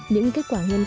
những kết quả nghiên cứu